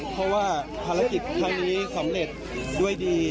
เพราะว่าภารกิจครั้งนี้สำเร็จด้วยดี